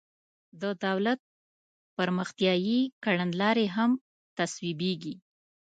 د دولت پرمختیایي کړنلارې هم تصویبیږي.